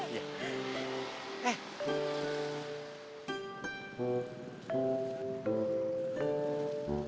satu september dahulu